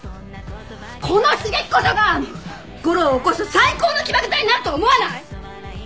この刺激こそが吾良を起こす最高の起爆剤になると思わない！？